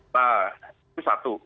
nah itu satu